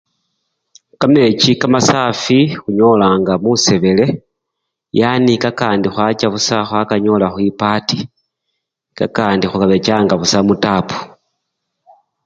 Kamechi kamasafi khunyolanga musebele yani kakandi khwacha busa khwakanyola khwipatii kakandi barechanga busa khutapu.